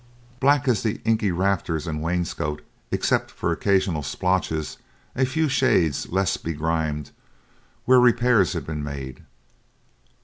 Black as the inky rafters and wainscot except for occasional splotches a few shades less begrimed, where repairs had been made.